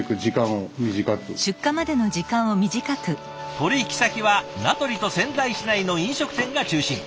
取引先は名取と仙台市内の飲食店が中心。